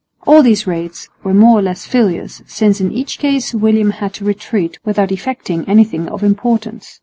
All these raids were more or less failures, since in each case William had to retreat without effecting anything of importance.